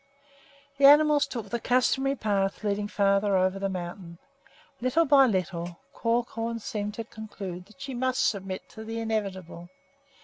The animals took the customary path leading farther over the mountain. Little by little Crookhorn seemed to conclude that she must submit to the inevitable.